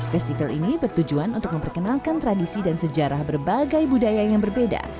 festival ini bertujuan untuk memperkenalkan tradisi dan sejarah berbagai budaya yang berbeda